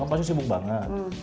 kamu pasti sibuk banget